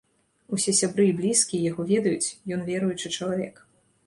Усе сябры і блізкія яго ведаюць, ён веруючы чалавек.